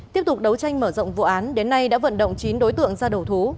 tiếp tục đấu tranh mở rộng vụ án đến nay đã vận động chín đối tượng ra đầu thú